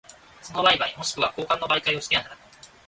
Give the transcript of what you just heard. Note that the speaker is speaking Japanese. その売買若しくは交換の媒介をしてはならない。